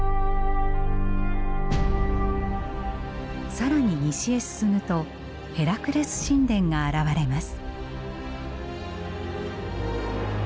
更に西へ進むとヘラクレス神殿が現れます。